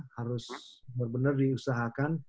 harus benar benar diusahakan